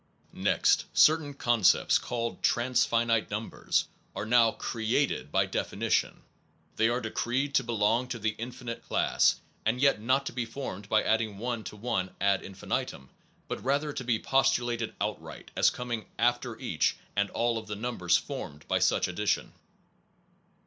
Next, certain concepts, called transfinite numbers, are now created by definition. They Trans are decreed to belong to the infinite finite numbers* class, and yet not to be formed by adding one to one ad infinitum, but rather to be postulated outright as coming after each and all of the numbers formed by such addition.